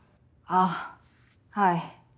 あぁはい。